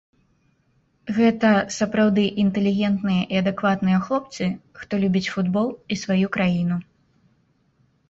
Гэта сапраўды інтэлігентныя і адэкватныя хлопцы, хто любіць футбол і сваю краіну.